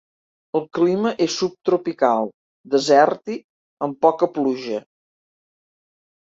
El clima és subtropical desèrtic, amb poca pluja.